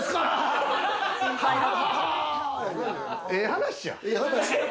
ええ話や。